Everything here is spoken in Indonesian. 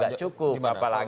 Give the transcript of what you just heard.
demokrat juga katanya udah ke